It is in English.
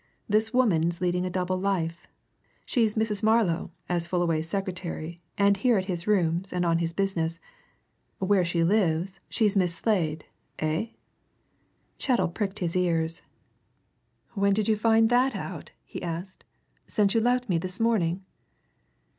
This woman's leading a double life. She's Mrs. Marlow as Fullaway's secretary and here at his rooms and on his business; where she lives she's Miss Slade. Eh?" Chettle pricked his ears. "When did you find that out?" he asked. "Since you left me this morning?"